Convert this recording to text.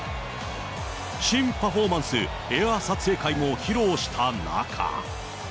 新パフォーマンス、エア撮影会も披露した中。